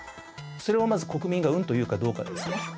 それをまず国民がうんと言うかどうかですね。